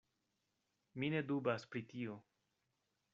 Mi ne dubas pri tio.